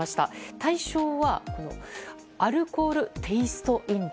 大賞はアルコールテイスト飲料。